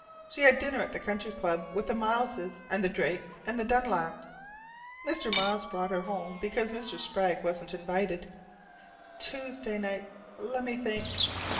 She had dinner at the Country Club with the Mileses and the Drakes and the Dunlaps. Mr. Miles brought her home, because Mr. Sprague wasn't invited.... Tuesday night let me think!...